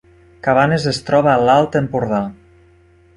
Cabanes es troba a l’Alt Empordà